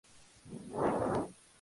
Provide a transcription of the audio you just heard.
Campbell firmó con Warner Bros.